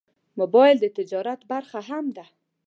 موبایل د تجارت برخه هم ده.